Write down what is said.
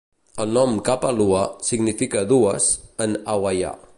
El nom "kapa lua" significa "dues "en hawaià.